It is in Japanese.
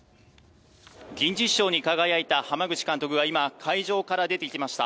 銀獅子賞に輝いた濱口監督が今、会場から出てきました。